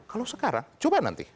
kalau sekarang coba nanti